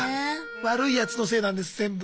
悪いやつのせいなんです全部。